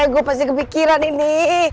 gue pasti kepikiran ini